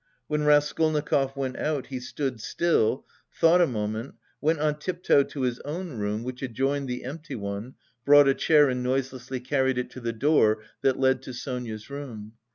When Raskolnikov went out he stood still, thought a moment, went on tiptoe to his own room which adjoined the empty one, brought a chair and noiselessly carried it to the door that led to Sonia's room.